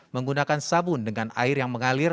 menggunakan sabun dengan air yang mengalir